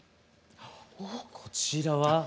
こちらは？